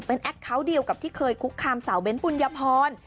เป็นแอคคาวต์เดียวกับที่เคยคุกคามสาวเบ้นปุ่นยภรรณ